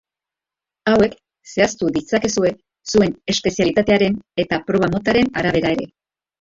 Hauek zehaztu ditzakezue zuen espezialitatearen eta proba motaren arabera ere.